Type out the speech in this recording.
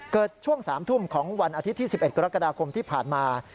ช่วง๓ทุ่มของวันอาทิตย์ที่๑๑กรกฎาคมที่ผ่านมา